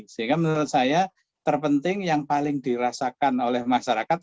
sehingga menurut saya terpenting yang paling dirasakan oleh masyarakat